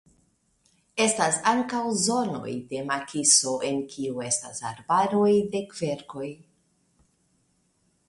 Estas ankaŭ zonoj de makiso en kiu estas arbaroj de kverkoj.